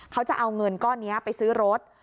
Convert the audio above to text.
เขาจะเอาเงินก้อนนี้ไปซื้อรถ